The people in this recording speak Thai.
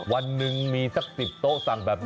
วันหนึ่งมีสัก๑๐โต๊ะสั่งแบบนี้